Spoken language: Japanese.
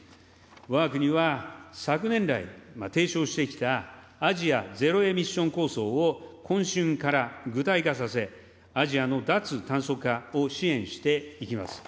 わが国は昨年来、提唱してきたアジア・ゼロエミッション構想を今春から具体化させ、アジアの脱炭素化を支援していきます。